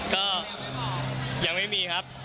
ก็ยังไม่มีครับ